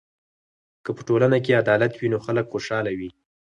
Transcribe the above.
که په ټولنه کې عدالت وي نو خلک خوشحاله وي.